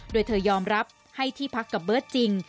โดยเธอยอมรับให้ที่พักกับเบิร์ตจริง